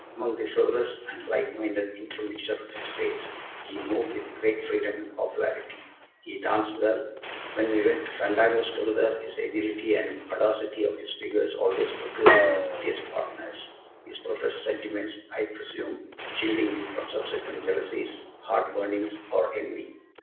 Among the frivolous and light minded intermixture of his race he moved with great freedom and popularity. He danced well; when we went to fandangos together his agility and the audacity of his figures always procured him the prettiest partners, his professed sentiments, I presume, shielding him from subsequent jealousies, heartburnings, or envy.